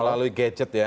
melalui gadget ya